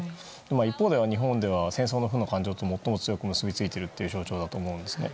一方で日本では戦争の負の感情と最も強く結びついている象徴だと思うんですよね。